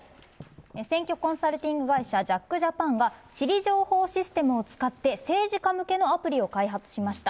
選挙コンサルティング会社、ジャックジャパンが地理情報システムを使って政治家向けのアプリを開発しました。